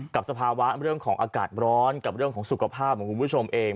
สภาวะเรื่องของอากาศร้อนกับเรื่องของสุขภาพของคุณผู้ชมเอง